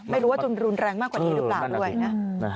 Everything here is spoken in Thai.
ไม่รู้ว่าจนรุนแรงมากกว่านี้หรือเปล่าด้วยนะ